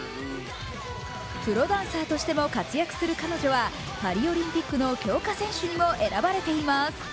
プロダンサーとしても活躍する彼女はパリオリンピックの強化選手にも選ばれています。